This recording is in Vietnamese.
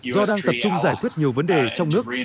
do đang tập trung giải quyết nhiều vấn đề trong nước